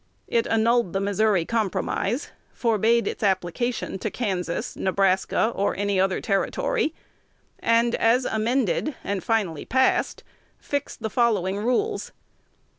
It annulled the Missouri Compromise, forbade its application to Kansas, Nebraska, or any other territory, and, as amended and finally passed, fixed the following rules